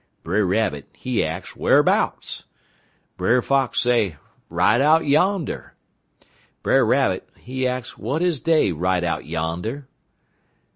Brer Rabbit, he ax wharbouts. Brer Fox say, right out yander. Brer Rabbit, he ax w'at is dey right out yander?